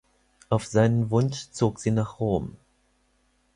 Auf seinen Wunsch zog sie nach Rom.